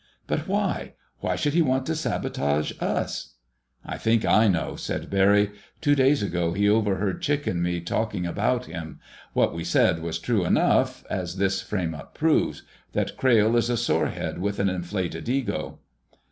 But why? Why should he want to sabotage us?" "I think I know," said Barry. "Two days ago he overheard Chick and me talking about him. What we said was true enough, as this frame up proves—that Crayle is a sorehead, with an inflated ego."